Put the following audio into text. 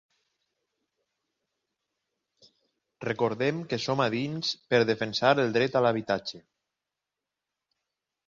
Recordem que som a dins per defensar el dret a l’habitatge.